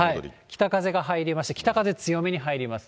北風が入りまして、北風強めに入ります。